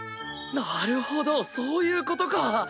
なるほどそういうことか。